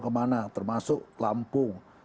kemana termasuk lampung